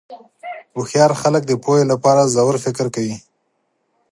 هوښیار خلک د پوهې لپاره ژور فکر کوي.